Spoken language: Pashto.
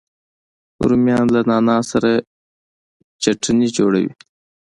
رومیان له نعنا سره چټني جوړوي